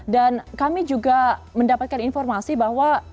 dan kami juga mendapatkan informasi bahwa